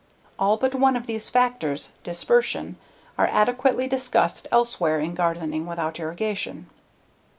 All but one of these factors dispersion are adequately discussed elsewhere in _Gardening Without Irrigation.